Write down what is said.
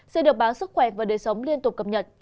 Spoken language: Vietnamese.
sẽ được báo sức khỏe và đời sống liên tục cập nhật